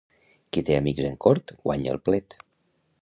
Qui té amics en cort, guanya el plet.